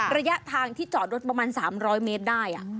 ระยะทางที่จอดรถประมาณ๓๐๐เมตรได้